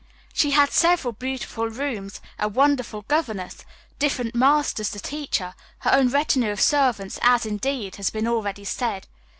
She had several beautiful rooms, a wonderful governess, different masters to teach her, her own retinue of servants as, indeed, has been already said.